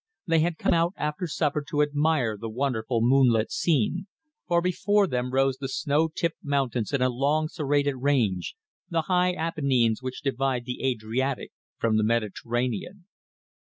They had come out after supper to admire the wonderful moonlit scene, for before them rose the snow tipped mountains in a long serrated range, the high Apennines which divide the Adriatic from the Mediterranean.